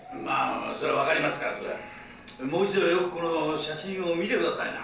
それはわかりますがもう一度よくこの写真を見てくださいな。